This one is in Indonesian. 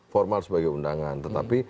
formal sebagai undangan tetapi